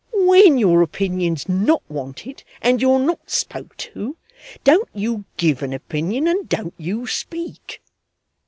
When your opinion's not wanted and you're not spoke to, don't you give an opinion and don't you speak.